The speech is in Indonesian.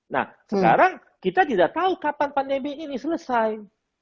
nah sekarang kita tidak tahu kapan pandemi ini selesai